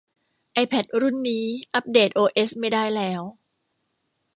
ไอแพดรุ่นนี้อัปเดตโอเอสไม่ได้แล้ว